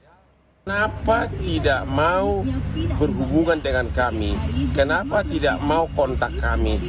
kenapa tidak mau berhubungan dengan kami kenapa tidak mau kontak kami